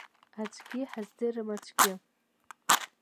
Аӡәгьы иҳаздырам, аӡәгьы!